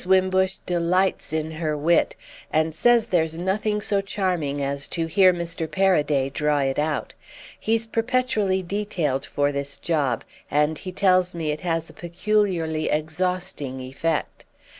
Wimbush delights in her wit and says there's nothing so charming as to hear Mr. Paraday draw it out. He's perpetually detailed for this job, and he tells me it has a peculiarly exhausting effect.